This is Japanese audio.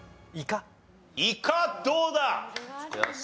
イカどうだ？